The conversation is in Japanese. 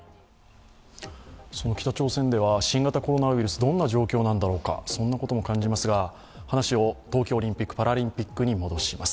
その北朝鮮では新型コロナウイルス、どんな状況なんだろうか、そんなことも感じますが、話を東京オリンピックパラリンピックに戻します。